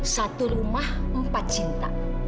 satu rumah empat cinta